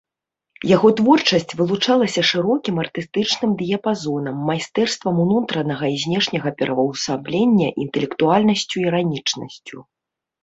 Яго творчасць вылучалася шырокім артыстычным дыяпазонам, майстэрствам унутранага і знешняга пераўвасаблення, інтэлектуальнасцю, іранічнасцю.